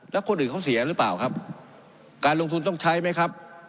แล้วคนอื่นเขาเสียหรือเปล่าครับการลงทุนต้องใช้ไหมครับ